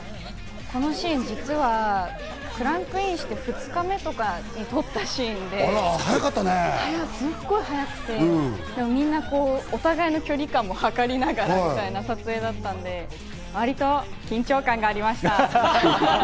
このシーン、実はクランクインして２日目とかに撮ったシーンで、すっごい早くて、みんなこうお互いの距離感も測りながらみたいな撮影だったので緊張感がありました！